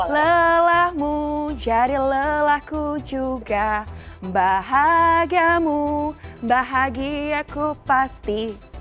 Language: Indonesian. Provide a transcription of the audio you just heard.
lelahmu jadi lelahku juga bahagiamu bahagia ku pasti